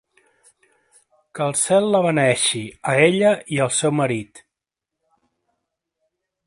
Que el cel la beneeixi, a ella i al seu marit!